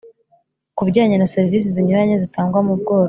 Ku bijyanye na serivisi zinyuranye zitangwa mu bworozi